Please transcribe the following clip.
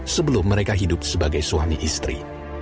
sebelum mereka hidup sebagai suami istri